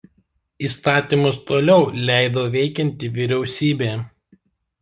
Įstatymus toliau leido veikianti vyriausybė.